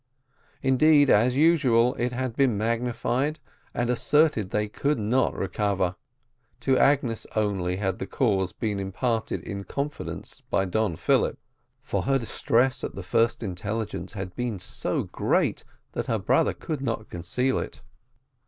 Indeed, as usual, it had been magnified, and asserted that they could not recover. To Agnes only had the case been imparted in confidence by Don Philip, for her distress at the first intelligence had been so great that her brother could not conceal it.